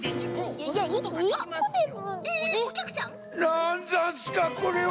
なんざんすかこれは！